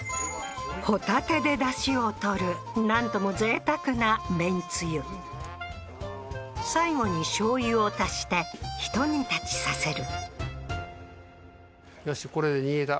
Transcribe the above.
ホタテでダシを取るなんとも贅沢なめんつゆ最後にしょうゆを足してひと煮立ちさせる